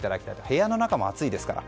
部屋の中も暑いですから。